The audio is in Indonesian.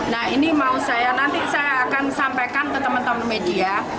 nah ini mau saya nanti saya akan sampaikan ke teman teman media